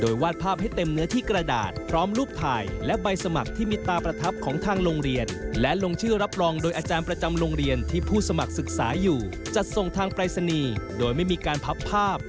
จัดส่งทางปรายศนีย์โดยไม่มีการพับภาพ